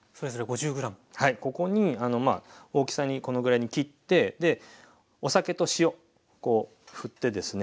ここにまあ大きさにこのぐらいに切ってお酒と塩ふってですね